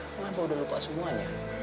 kenapa udah lupa semuanya